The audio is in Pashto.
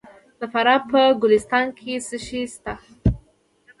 د فراه په ګلستان کې څه شی شته؟